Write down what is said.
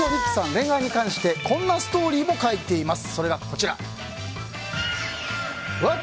恋愛に関してこんなストーリーも描いています。